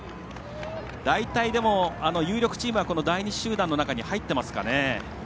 大体、有力チームは第２集団の中に入っていますかね。